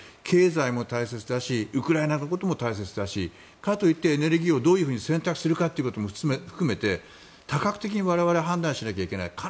経済も大切だしウクライナのことも大切だしかといってエネルギーをどうやって選択するかということも含めて多角的に我々は判断しなきゃいけない。